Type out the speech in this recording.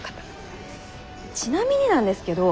ちなみになんですけど